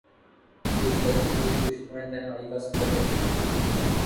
کچھ بچی ہوئی خوشبویں تنہائی کا سفر کرتی ہیں۔